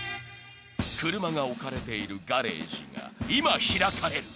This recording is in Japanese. ［車が置かれているガレージが今開かれる］